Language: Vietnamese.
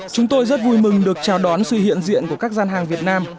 chúng tôi rất vui mừng được chào đón sự hiện diện của các dân hạng việt nam